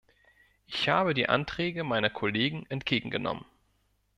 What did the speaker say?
Ich habe die Anträge meiner Kollegen entgegengenommen.